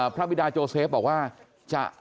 พ่อขออนุญาต